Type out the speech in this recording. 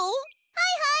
はいはい！